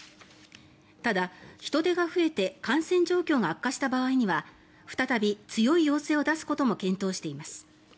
ただ、人出が増えて感染状況が悪化した場合には再び強い要請を出すことも検討しています。